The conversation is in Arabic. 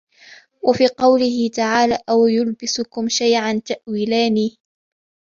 وَفِي قَوْله تَعَالَى أَوْ يَلْبِسَكُمْ شِيَعًا تَأْوِيلَانِ